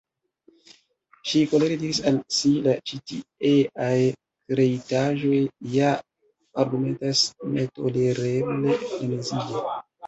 Ŝi kolere diris al si:— "La ĉitieaj kreitaĵoj ja argumentas netolereble, frenezige."